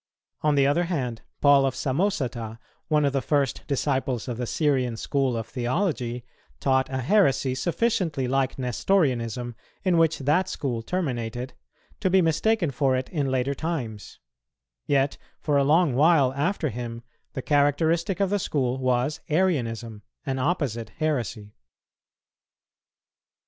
On the other hand, Paul of Samosata, one of the first disciples of the Syrian school of theology, taught a heresy sufficiently like Nestorianism, in which that school terminated, to be mistaken for it in later times; yet for a long while after him the characteristic of the school was Arianism, an opposite heresy.